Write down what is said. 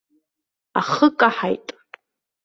Ахы каҳаит.